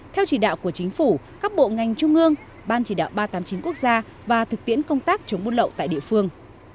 theo chỉ đạo của chính phủ các bộ ngành trung ương ban chỉ đạo ba trăm tám mươi chín quốc gia và thực tiễn công tác chống buôn lậu tại địa phương